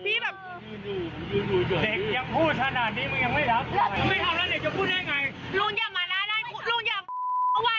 เด็กยังพูดชนดาตรงนี้เหมือนยังไม่รับ